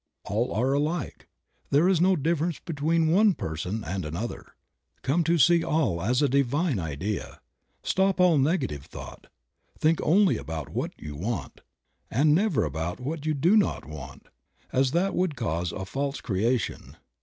All are alike; there is no difference between one person and another. Come to see all as a divine idea; stop all negative thought; think only about what you want, and 32 Creative Mind. never about what you do not want, as that would cause a false creation.